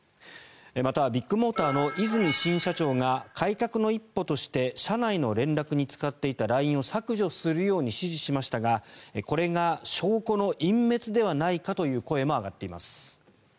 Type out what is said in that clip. また、ビッグモーターの和泉新社長が改革の一歩として社内の連絡に使っていたＬＩＮＥを削除するように指示しましたがこれが証拠の隠滅ではないかという声も上がっています。